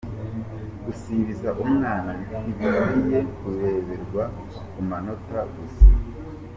Gusibiza umwana ntibikwiye kureberwa ku manota gusa .